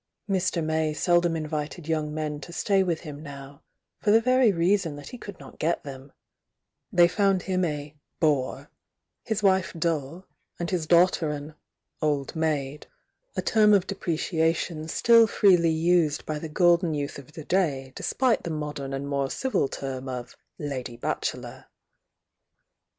Mr. May seldom invited young men to stay with him now, for the very reason that he could not get them; they found him a "bore,"— his wife dull, and his daughter an "old maid,"— a term of depreciation still freely used by the golden youth of the day, despite the modem and more civil term of "iady badielor."